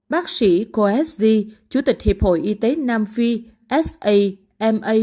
bác sĩ khoa s d chủ tịch hiệp hội y tế nam phi s a m a